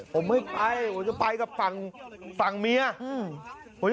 ผมไม่ไปกับฝั่งเมีย